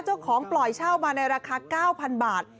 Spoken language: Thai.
เจ้าของปล่อยเช่ามาในราคา๙๐๐๐บาท